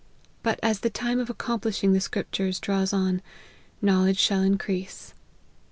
But as the time of accomplishing the scriptures draws on, knowledge shall increase.